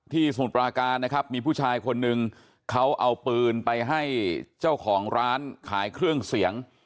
สมุทรปราการนะครับมีผู้ชายคนหนึ่งเขาเอาปืนไปให้เจ้าของร้านขายเครื่องเสียง